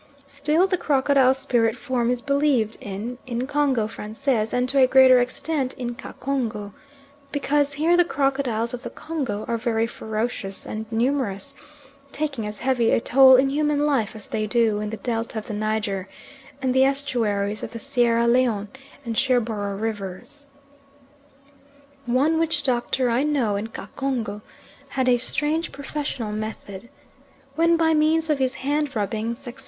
Still the crocodile spirit form is believed in in Congo Francais, and to a greater extent in Kacongo, because here the crocodiles of the Congo are very ferocious and numerous, taking as heavy a toll in human life as they do in the delta of the Niger and the estuaries of the Sierra Leone and Sherboro' Rivers. One witch doctor I know in Kacongo had a strange professional method. When, by means of his hand rubbings, etc.